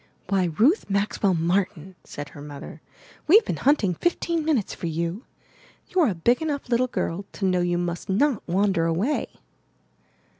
''Why, Ruth Maxwell Martin," said her mother, ' 'we've been hunting fifteen minutes for you. You're a big enough little girl to know you must not wan der away."